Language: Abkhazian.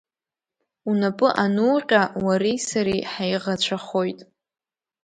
Унапы ануҟьа, уареи сареи ҳаиӷацәахоит.